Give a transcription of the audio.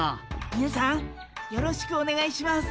みなさんよろしくおねがいします。